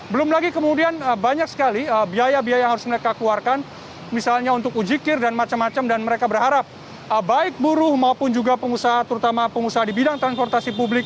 belum lagi kemudian banyak sekali biaya biaya yang harus mereka keluarkan misalnya untuk ujikir dan macam macam dan mereka berharap baik buruh maupun juga pengusaha terutama pengusaha di bidang transportasi publik